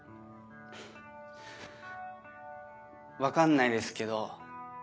分かんないですけど。